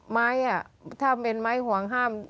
ไม้ถ้าเป็นไม้ห่วงห้าม